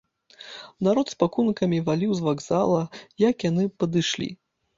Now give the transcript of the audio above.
Народ з пакункамі валіў з вакзала, як яны падышлі.